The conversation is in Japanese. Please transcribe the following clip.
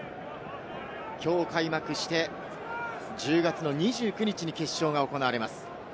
きょう開幕して、１０月の２９日に決勝が行われます。